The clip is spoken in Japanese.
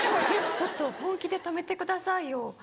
ちょっと本気で止めてくださいよ。